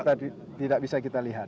musuh kita tidak bisa kita lihat